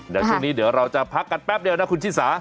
เดี๋ยวช่วงนี้เดี๋ยวเราจะพักกันแป๊บเดียวนะคุณชิสา